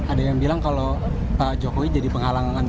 ada yang bilang kalau pak jokowi jadi penghalangan